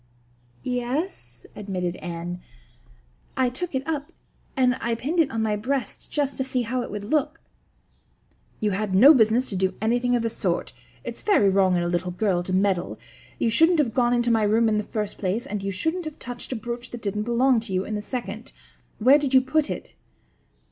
"Y e e s," admitted Anne, "I took it up and I pinned it on my breast just to see how it would look." "You had no business to do anything of the sort. It's very wrong in a little girl to meddle. You shouldn't have gone into my room in the first place and you shouldn't have touched a brooch that didn't belong to you in the second. Where did you put it?"